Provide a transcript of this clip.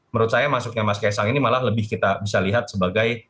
menurut saya masuknya mas kaisang ini malah lebih kita bisa lihat sebagai